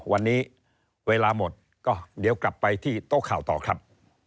วันนี้เวลาหมดก็เดี๋ยวกลับไปที่โต๊ะข่าวต่อครับ